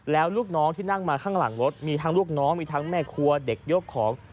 แล้วลูกน้องที่นั่งมาข้างหลังรถมีทั้งลูกน้องมีทั้งแม่ครัวเด็กยกของ